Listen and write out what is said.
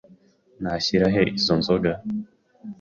Nashyira he izo nzoga?